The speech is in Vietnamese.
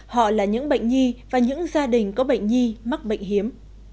họ là những bệnh nhi và những gia đình có bệnh nhi mắc bệnh hiếm